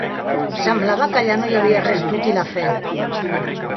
Semblava que allà no hi havia res d'útil a fer.